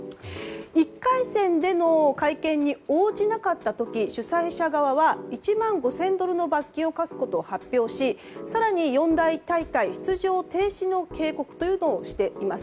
１回戦での会見に応じなかった時主催者側は１万５０００ドルの罰金を科すことを発表し、更に四大大会出場停止の警告をしています。